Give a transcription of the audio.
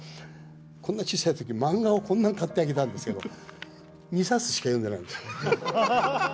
こんな小さいとき、漫画をこんな買ってあげたんですけど、２冊しか読んでなかった。